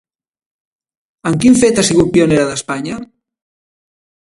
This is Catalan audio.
En quin fet ha sigut pionera d'Espanya?